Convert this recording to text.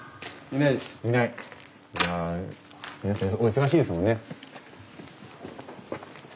皆さんお忙しいですもんね。